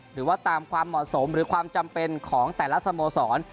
หรือว่าตามความเหมาะสมหรือความจำเป็นของแต่ละสโมสร